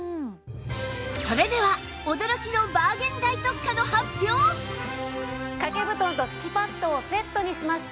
それでは掛け布団と敷きパッドをセットにしました